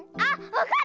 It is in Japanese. わかった！